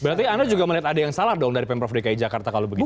berarti anda juga melihat ada yang salah dong dari pemprov dki jakarta kalau begitu